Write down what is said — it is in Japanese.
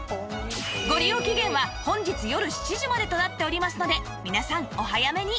ご利用期限は本日よる７時までとなっておりますので皆さんお早めに